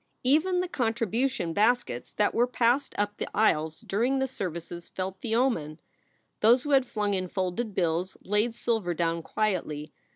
Even the contribution baskets that were passed up the SOULS FOR SALE 7 aisles during the services felt the omen. Those who had flung in folded bills laid silver down quietly.